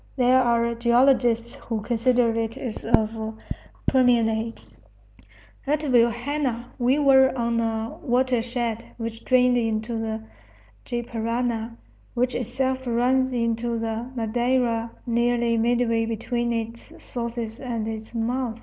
There are geologists who consider it as of Permian age. At Vilhena we were on a watershed which drained into the Gy Parana, which itself runs into the Madeira nearly midway between its sources and its mouth.